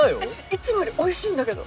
いつもよりおいしいんだけど。